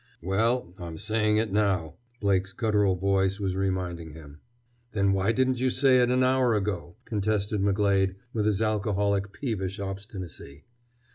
"Well, I'm saying it now!" Blake's guttural voice was reminding him. "Then why didn't you say it an hour ago?" contested McGlade, with his alcoholic peevish obstinacy.